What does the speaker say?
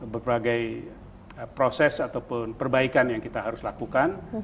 berbagai proses ataupun perbaikan yang kita harus lakukan